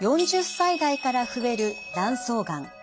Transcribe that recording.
４０歳代から増える卵巣がん。